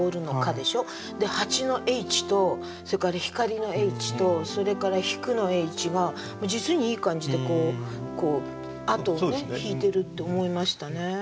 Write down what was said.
でしょで「蜂」の「Ｈ」とそれから「光」の「Ｈ」とそれから「ひく」の「Ｈ」が実にいい感じで後を引いてるって思いましたね。